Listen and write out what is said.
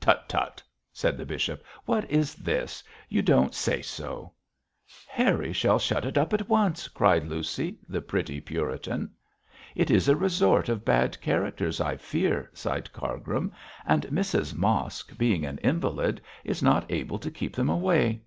'Tut! tut!' said the bishop, 'what is this? You don't say so.' 'Harry shall shut it up at once,' cried Lucy, the pretty Puritan. 'It is a resort of bad characters, I fear,' sighed Cargrim, 'and Mrs Mosk, being an invalid, is not able to keep them away.'